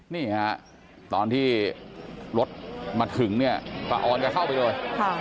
นี่ฮะตอนที่รถมาถึงเนี่ยป้าออนก็เข้าไปเลย